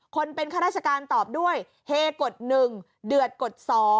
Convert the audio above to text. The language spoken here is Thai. คนเป็นข้าราชการตอบด้วยเฮกฎ๑เดือดกฎ๒